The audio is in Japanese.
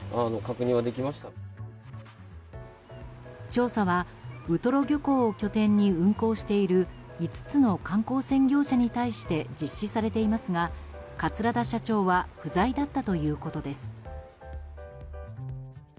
調査はウトロ漁港を拠点に運航している５つの観光船業者に対して実施されていますが桂田社長は不在だったということです。